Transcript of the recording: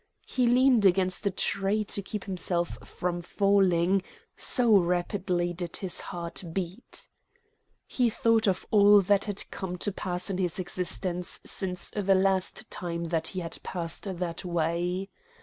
He leaned against a tree to keep himself from falling, so rapidly did his heart beat. He thought of all that had come to pass in his existence since the last time that he had passed that way!